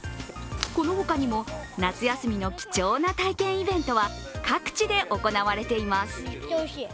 この他にも夏休みの貴重な体験イベントは各地で行われています。